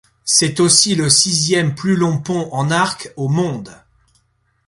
C'est aussi le sixième plus long pont en arc au monde.